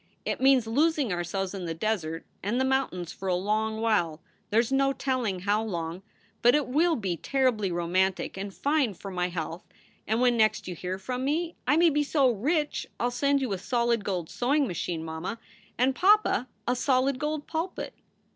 It means losing ourselves in the desert and the mountains for a long while there s no telling how long but it will be terribly romantic and fine for my health and when next you hear from me I may be so rich I ll send you a solid gold sewing machine, mamma, and papa a solid gold pulpit.